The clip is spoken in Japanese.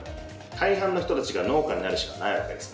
大半の人たちが農家になるしかないわけです。